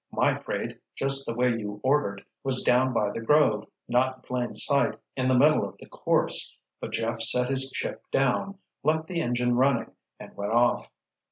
My crate, just the way you ordered, was down by the grove, not in plain sight in the middle of the course. But Jeff set his ship down, left the engine running, and went off.